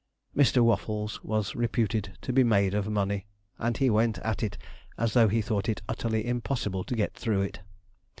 Mr. Waffles was reputed to be made of money, and he went at it as though he thought it utterly impossible to get through it.